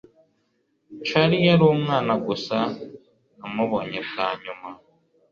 Charlie yari umwana gusa namubonye bwa nyuma